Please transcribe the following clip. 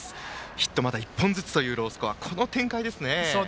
ヒットがまだ１本ずつロースコアの展開ですね。